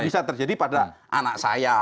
bisa terjadi pada anak saya